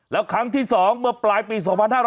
แล้วครั้งที่๒เมื่อปลายปี๒๕๕๙